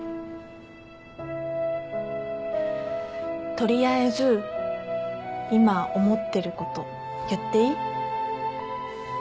とりあえず今思ってること言っていい？